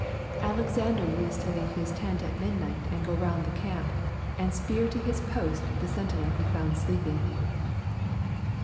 Alexander used to leave his tent at midnight and go round the camp, and spear to his post the sentinel he found sleeping.